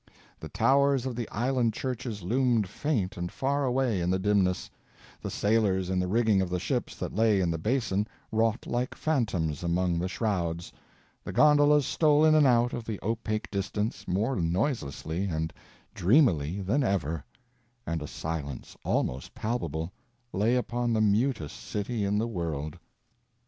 The towers of the island churches loomed faint and far away in the dimness; the sailors in the rigging of the ships that lay in the Basin wrought like phantoms among the shrouds; the gondolas stole in and out of the opaque distance more noiselessly and dreamily than ever; and a silence, almost palpable, lay upon the mutest city in the world.